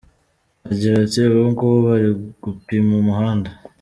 Agira ati “Ubungubu bari gupima umuhanda.